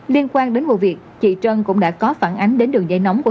liên quan đến vụ việc chị trân cũng đã có phản ánh đến đối với bác sĩ trung quốc